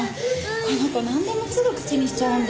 この子なんでもすぐ口にしちゃうんで。